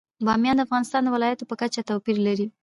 بامیان د افغانستان د ولایاتو په کچه توپیر لري.